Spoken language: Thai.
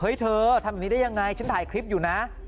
เฮ้ยเธอทำอย่างนี้ได้ยังไงฉันถ่ายคลิปอยู่นะ